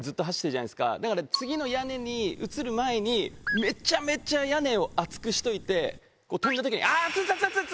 次の屋根に移る前にめちゃめちゃ屋根を熱くしといて跳んだ時にアツツツ！